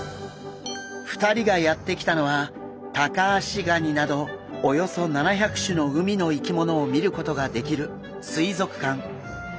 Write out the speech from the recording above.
２人がやって来たのはタカアシガニなどおよそ７００種の海の生き物を見ることができる水族館。